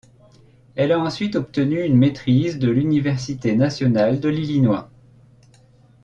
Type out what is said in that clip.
Elle a ensuite obtenu une maîtrise de l'Université nationale de l'Illinois.